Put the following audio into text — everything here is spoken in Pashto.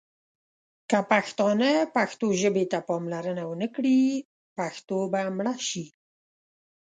که پښتانه پښتو ژبې ته پاملرنه ونه کړي ، پښتو به مړه شي.